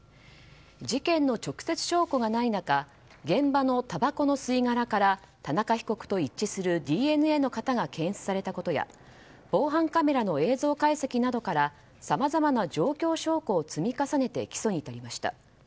事件の直接証拠がない中現場のたばこの吸い殻から田中被告と一致するＤＮＡの型が検出されたことや防犯カメラの映像解析などからさまざまな状況証拠を積み重ねて起訴に至りました。